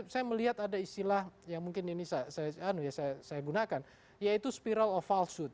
saya melihat ada istilah yang mungkin ini saya gunakan yaitu spiral of falsehood